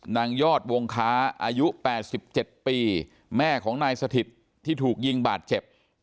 นางยอดวงค้าอายุ๘๗ปีแม่ของนายสถิตที่ถูกยิงบาดเจ็บ